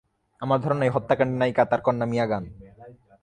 আমার ধারণা এই হত্যাকাণ্ডের নায়িকা তাঁর কন্যা মিয়া গান।